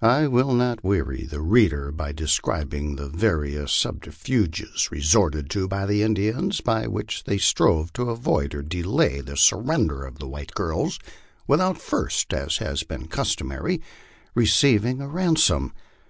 I will not weary the reader by describing the various subterfuges re sorted to by the Indians, by which they strove to avoid or delay the sur render of the white girls without first, as had been customary, receiving a ransom.